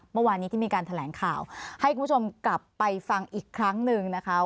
เมื่อวานนี้ที่มีการแถลงข่าวให้คุณผู้ชมกลับไปฟังอีกครั้งหนึ่งนะคะ